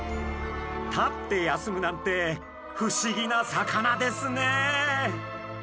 立って休むなんて不思議な魚ですね。